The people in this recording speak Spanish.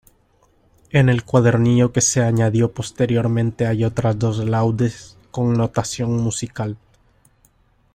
En el cuadernillo que se añadió posteriormente hay otras dos "laude" con notación musical.